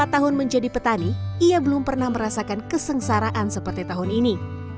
empat tahun menjadi petani ia belum pernah merasakan kesengsaraan seperti tahun ini